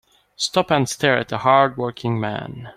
Stop and stare at the hard working man.